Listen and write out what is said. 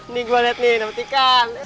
nih gua liat nih dapet ikan